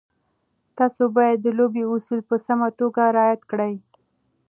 تاسو باید د لوبې اصول په سمه توګه رعایت کړئ.